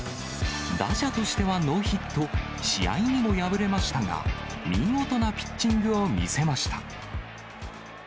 打者としてはノーヒット、試合にも敗れましたが、見事なピッチングを見せました。